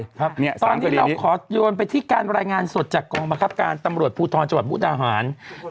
ตอนนี้เราขอโยนไปที่การรายงานสดจากกองบังคับการตำรวจภูทรจังหวัดมุกดาหาร